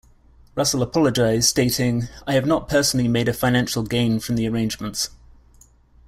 Russell apologised, stating: I have not personally made a financial gain from the arrangements.